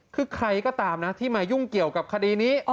คือใครก็ตามนะที่มายุ่งเกี่ยวกับคดีนี้